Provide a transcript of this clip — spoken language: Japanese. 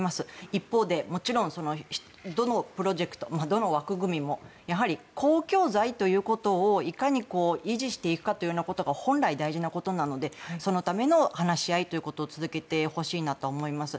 一方でもちろんどの枠組みも公共財ということをいかに維持していくかということが本来、大事なことなのでそのための話し合いというのを続けてほしいなと思います。